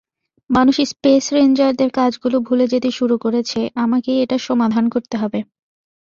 মানুষ স্পেস রেঞ্জারদের কাজগুলো ভুলে যেতে শুরু করেছে আমাকেই এটার সমাধান করতে হবে।